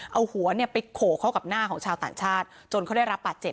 เอาหัวเนี่ยไปโขเข้ากับหน้าของชาวต่างชาติจนเขาได้รับบาดเจ็บ